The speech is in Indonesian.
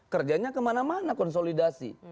kerjanya kemana mana konsolidasi